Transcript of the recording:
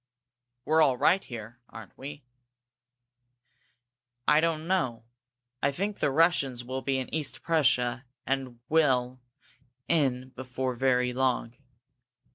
"We're all right here, aren't we?" "I don't know. I think the Russians will be in East Prussia, and well in, before very long.